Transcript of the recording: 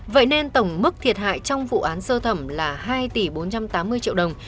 vậy nên tổng mức thiệt hại trong vụ án sơ thẩm là hai tỷ bốn trăm tám mươi triệu đồng